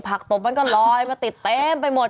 ผักตบมันก็รอยมันติดเต็มไปหมด